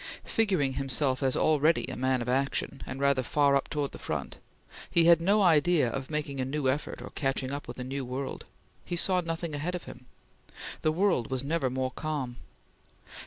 Figuring himself as already a man of action, and rather far up towards the front, he had no idea of making a new effort or catching up with a new world. He saw nothing ahead of him. The world was never more calm.